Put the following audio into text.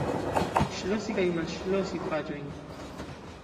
Ŝlosi kaj malŝlosi paĝojn.